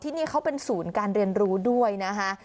ที่นี่เขาเป็นศูนย์การเรียนรู้ด้วยนะคะ